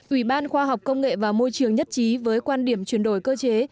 ủy ban khoa học công nghệ và môi trường nhất trí với quan điểm chuyển đổi cơ chế